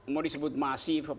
mau disebut masif